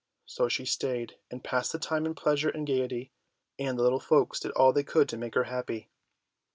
So she stayed, and passed the time in pleasure and gaiety, and the little folks did all they could to make her happy.